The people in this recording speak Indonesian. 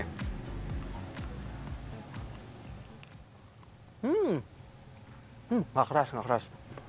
nggak keras nggak keras